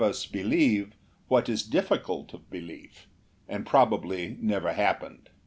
1 4 lieve what is difficult of belief and probably never happened.